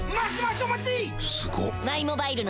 すごっ！